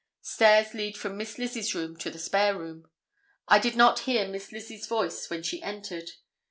Stairs lead from Miss Lizzie's room to the spare room. I did not hear Miss Lizzie's voice when she entered.